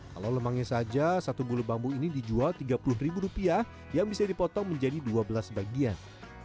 kalau lemangnya saja satu bulu bambu ini dijual rp tiga puluh ribu rupiah yang bisa dipotong menjadi dua belas bagian